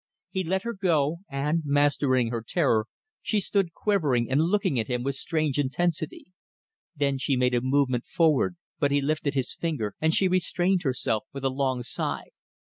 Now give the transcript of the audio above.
He let her go, and, mastering her terror, she stood quivering and looking at him with strange intensity. Then she made a movement forward, but he lifted his finger, and she restrained herself with a long sigh.